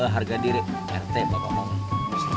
harga diri rt bapak mau